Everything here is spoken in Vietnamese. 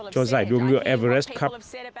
cho giải đua ngựa everest cup